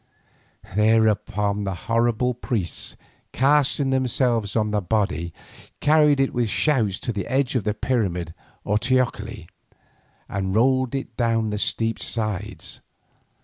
Thereon the horrible priests, casting themselves on the body, carried it with shouts to the edge of the pyramid or teocalli, and rolled it down the steep sides.